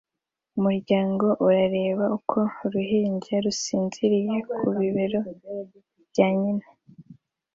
Umuryango urareba uko uruhinja rusinziriye ku bibero bya nyina